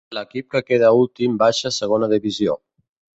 L'equip que queda últim baixa a segona divisió.